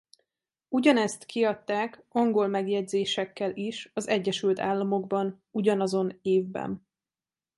Ugyanezt kiadták angol megjegyzésekkel is az Egyesült Államokban ugyanazon évben.